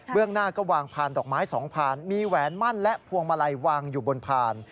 เรื่องหน้าก็วางพานดอกไม้สองพานมีแหวนมั่นและพวงมาลัยวางอยู่บนพาน